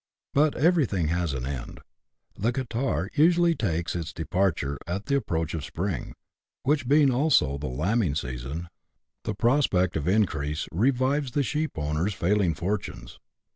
But everything has an end ; the catarrh usually takes its de parture at tlie approach of spring, which being also the lambing season, the prospect of increase revives the sheepowner's falling fortunes.